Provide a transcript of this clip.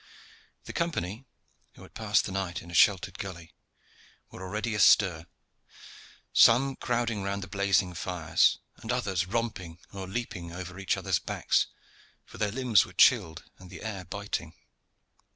The Company, who had passed the night in a sheltered gully, were already astir, some crowding round the blazing fires and others romping or leaping over each other's backs for their limbs were chilled and the air biting.